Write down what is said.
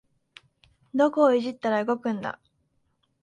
どこをいじったら動くんだ